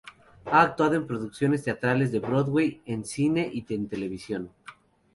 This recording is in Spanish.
Ha actuado en producciones teatrales de Broadway, en cine y en televisión.